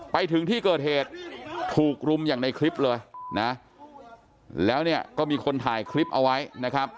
ไปถึงที่เกิดเหตุถูกรุมอย่างในคลิปเลยนะแล้วเนี่ยก็มีคนถ่ายคลิปเอาไว้นะครับ